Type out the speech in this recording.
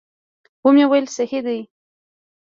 ومې ویل صحیح دي.